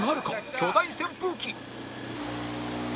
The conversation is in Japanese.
巨大扇風機